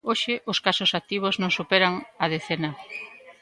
Hoxe os casos activos non superan a decena.